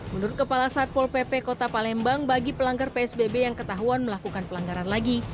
menurut kepala satpol pp kota palembang bagi pelanggar psbb yang ketahuan melakukan pelanggaran lagi